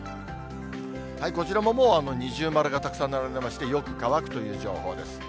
こちらのほうは二重丸がたくさん並んでまして、よく乾くという情報です。